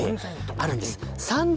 あるんです３０